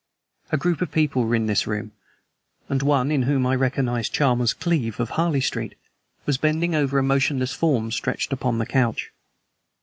A group of people were in this room, and one, in whom I recognized Chalmers Cleeve, of Harley Street, was bending over a motionless form stretched upon a couch.